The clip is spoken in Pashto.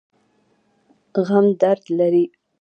غم درد دی.